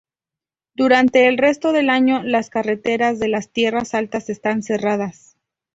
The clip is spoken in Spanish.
Durante el resto del año las carreteras de las Tierras Altas están cerradas.